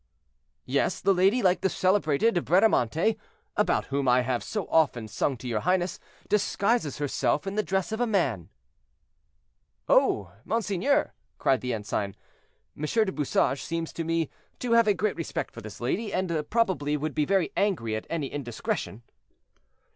"Yes, the lady, like the celebrated Bradamante, about whom I have so often sung to your highness, disguises herself in the dress of a man." "Oh! monseigneur," cried the ensign, "M. du Bouchage seems to me to have a great respect for this lady, and probably would be very angry at any indiscretion.'"